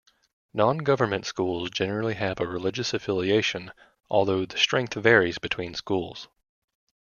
Non-government schools generally have a religious affiliation, although the strength varies between schools.